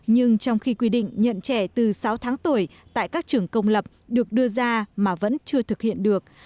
nhưng trong khi quy định nhận trẻ từ sáu tháng tuổi tại các trường công lập được đưa ra mà vẫn chưa thực hiện được